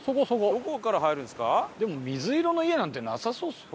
どこから入るんですか？